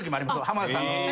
浜田さんの。